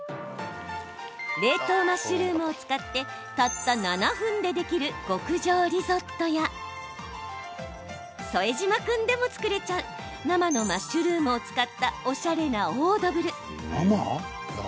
冷凍マッシュルームを使ってたった７分でできる極上リゾットや副島君でも作れちゃう生のマッシュルームを使ったおしゃれなオードブル。